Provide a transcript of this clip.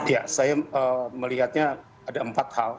ya saya melihatnya ada empat hal